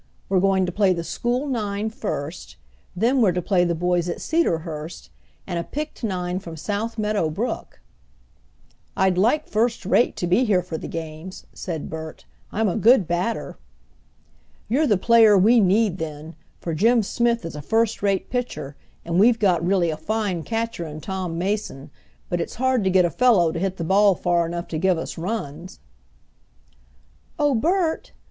We're going to play the school nine first, then we're to play the boys at Cedarhurst and a picked nine from South Meadow Brook." "I'd like first rate to be here for the games," said Bert. "I'm a good batter." "You're the player we need then, for Jim Smith is a first rate pitcher and we've got really a fine catcher in Tom Mason, but it's hard to get a fellow to hit the ball far enough to give us runs." "Oh, Bert!"